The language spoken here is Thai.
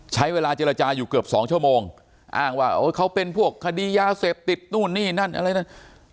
ใช้เวลาเจรจาอยู่เกือบสองชั่วโมงอ้างว่าเขาเป็นพวกคดียาเสพติดนู่นนี่นั่นอะไรนั่น